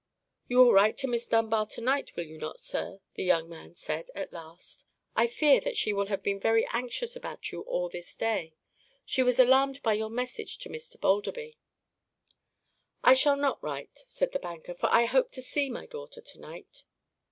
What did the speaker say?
"You will write to Miss Dunbar to night, will you not, sir?" the young man said at last. "I fear that she will have been very anxious about you all this day. She was alarmed by your message to Mr. Balderby." "I shall not write," said the banker; "for I hope to see my daughter to night."